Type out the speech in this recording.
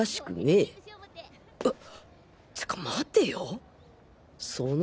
えっ！